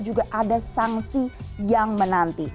juga ada sanksi yang menanti